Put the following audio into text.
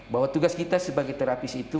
bahwa tugas kita sebagai terapis itu